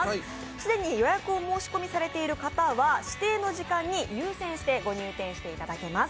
既に予約をお申し込みされている方は指定の時間に優先してご入店していただきます。